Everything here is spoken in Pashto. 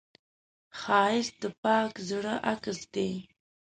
ښایست د پاک زړه عکس دی